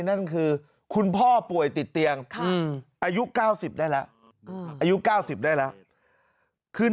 นั่นคือคุณพ่อป่วยติดเตียงอายุ๙๐ได้แล้วอายุ๙๐ได้แล้วคือ